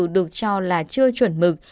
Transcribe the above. được cho là chưa chuẩn mực